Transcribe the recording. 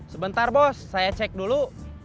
sebentar bos saya cek dulu